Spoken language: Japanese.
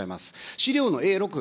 資料のＡ６。